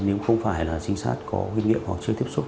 nếu không phải là trinh sát có kinh nghiệm hoặc chưa tiếp xúc